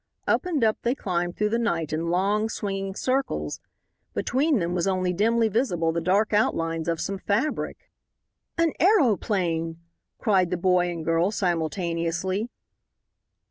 Up and up they climbed through the night in long, swinging circles. Between them was dimly visible the dark outlines of some fabric. "An aeroplane!" cried the boy and girl, simultaneously.